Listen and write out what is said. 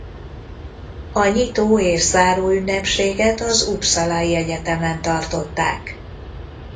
A nyitó- és záróünnepséget az uppsalai egyetemen tartották.